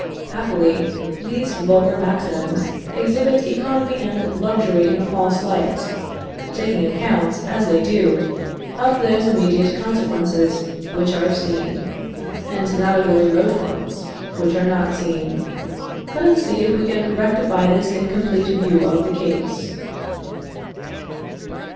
Happily, these vulgar maxims exhibit economy and luxury in a false light, taking account, as they do, of those immediate consequences which are seen, and not of the remote ones, which are not seen. Let us see if we can rectify this incomplete view of the case.